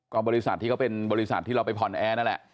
ก็บริษัทที่เขาเป็นบริษัทที่เราไปผ่อนแอร์นั่นแหละ